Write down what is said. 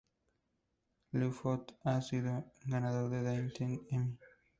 LaBeouf ha sido ganador del Daytime Emmy.